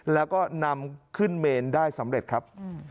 แล้วก็นำขึ้นเมนได้สำเร็จครับ